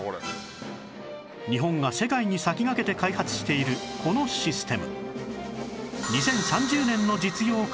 日本が世界に先駆けて開発しているこのシステム